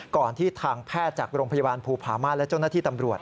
ก่อนที่ทางแพทย์จากโรงพยาบาลภูพามาและเจ้าหน้าที่ตำรวจ